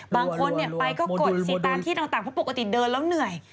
บางคนไปก็กดสิตามที่ต่างเพราะปกติเดินแล้วเหนื่อย